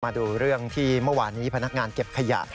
มาดูเรื่องที่เมื่อวานนี้พนักงานเก็บขยะ